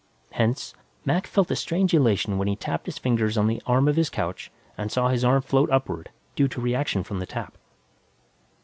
Hence, Mac felt a strange elation when he tapped his fingers on the arm of his couch and saw his arm float upward, due to reaction from the tap.